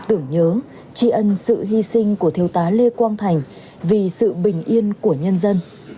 tưởng nhớ tri ân sự hy sinh của thiếu tá lê quang thành vì sự bình yên của nhân dân